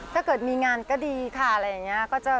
ถ้าเกิดมีงานก็ดีค่ะอะไรอย่างนี้